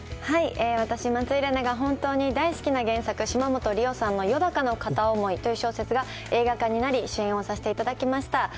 私、松井玲奈が本当に大好きな原作、島本理生さんのよだかの片想いという小説が映画化になり、主演をさせていただきました。